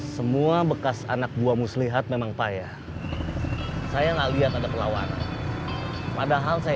semua bekas anak buah muslihat memang payah saya enggak lihat ada perlawanan padahal saya